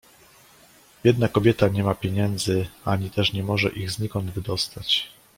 "Biedna kobieta nie ma pieniędzy, ani też nie może ich znikąd wydostać."